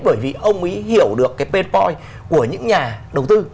bởi vì ông ấy hiểu được cái pain point của những nhà đầu tư